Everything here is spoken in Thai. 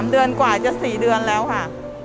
เดือนกว่าจะ๔เดือนแล้วค่ะ